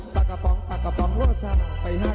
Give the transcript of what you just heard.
ปากกะป๋องปากกะป๋องโรจ่า